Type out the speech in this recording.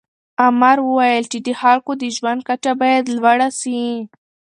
امر وویل چې د خلکو د ژوند کچه باید لوړه سي.